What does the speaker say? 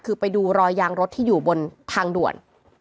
คือไปดูรอยยางรถที่อยู่บนทางด่วน